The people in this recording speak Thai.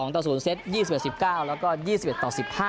ต่อ๐เซต๒๑๑๙แล้วก็๒๑ต่อ๑๕